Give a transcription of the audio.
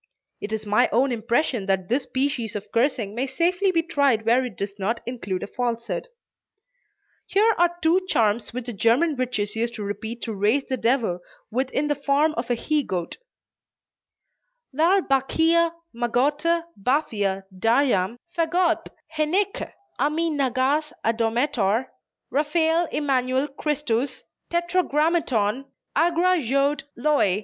It is my own impression that this species of cursing may safely be tried where it does not include a falsehood. Here are two charms which the German witches used to repeat to raise the devil with in the form of a he goat: "Lalle, Bachea, Magotte, Baphia, Dajam, Vagoth Heneche Ammi Nagaz, Adomator Raphael Immanuel Christus, Tetragrammaton Agra Jod Loi.